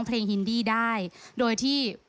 การทำงานที่นู่น